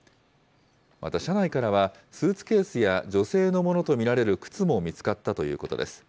また車内からは、スーツケースや女性のものと見られる靴も見つかったということです。